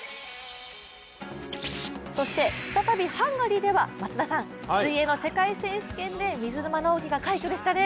そして再びハンガリーでは水泳の世界選手権で水沼尚輝が快挙でしたね。